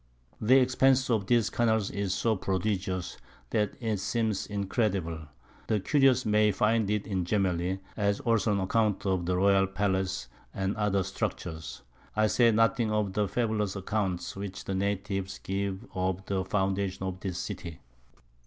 The Expence of these Canals is so prodigious, that it seems incredible; the Curious may find it in Gemelli, as also an Account of the Royal Palace and other Structures. I say nothing of the fabulous Accounts which the Natives give of the Foundation of this City.